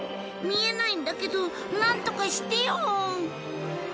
見えないんだけどなんとかしてよ！